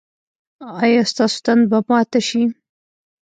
ایا ستاسو تنده به ماته شي؟